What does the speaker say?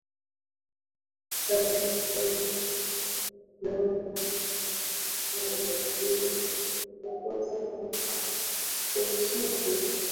Alinyongwa na maafisa wa Ujerumani kwa kosa la uchochezi